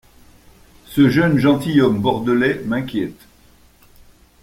Ce jeune gentilhomme bordelais m’inquiète.